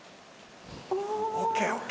ＯＫＯＫ。